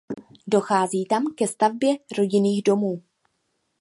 Dochází tam ke stavbě rodinných domů.